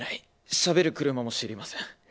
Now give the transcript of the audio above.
しゃべる車も知りません。